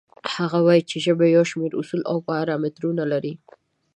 هغه وایي چې ژبې یو شمېر اصول او پارامترونه لري.